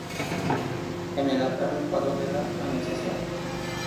En el altar un cuadro de "La Anunciación".